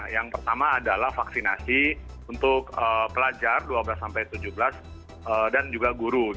yang pertama adalah vaksinasi untuk pelajar dua belas tujuh belas dan juga guru